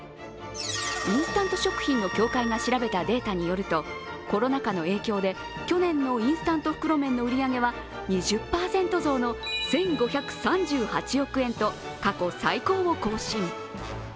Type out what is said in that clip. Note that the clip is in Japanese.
インスタント食品の協会が調べたデータによるとコロナ禍の影響で去年のインスタント袋麺の売り上げは２０％増の１５３８億円と過去最高を更新。